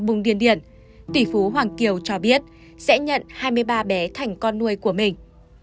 vùng điền điển tỷ phú hoàng kiều cho biết sẽ nhận hai mươi ba bé thành con nuôi của mình